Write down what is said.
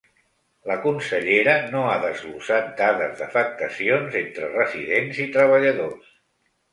La consellera no ha desglossat dades d’afectacions entre residents i treballadors.